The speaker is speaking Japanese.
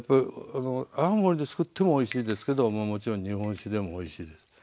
泡盛でつくってもおいしいですけどももちろん日本酒でもおいしいです。